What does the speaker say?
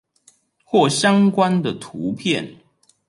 或相關的圖片